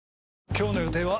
今日の予定は？